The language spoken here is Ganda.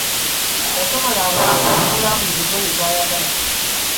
Yasobolanga okugula buli lugoye lw'ayagala.